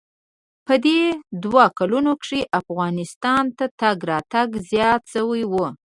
په دې دوو کلونو کښې افغانستان ته تگ راتگ زيات سوى و.